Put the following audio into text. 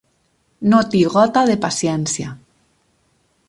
No té gota de paciència.